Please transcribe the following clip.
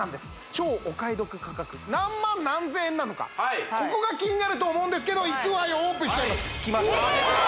超お買い得価格何万何千円なのかここが気になると思うんですけどオープンしちゃいますえ！